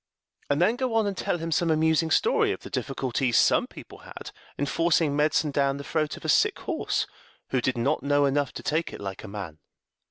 And then go on and tell him some amusing story of the difficulty some people had in forcing medicine down the throat of a sick horse, who did not know enough to take it like a man.